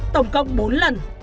tổng cộng bốn lần